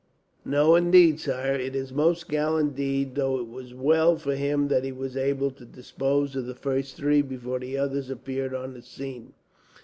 "No, indeed, sire. It is a most gallant deed, though it was well for him that he was able to dispose of the first three before the others appeared on the scene."